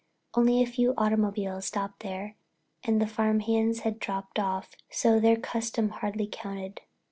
Only a few automobiles stopped there and the farmhands had dropped off, so their custom hardly counted.